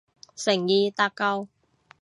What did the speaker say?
誠意搭救